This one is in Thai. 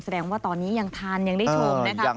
แสดงว่าตอนนี้ยังทานยังได้ชมนะครับ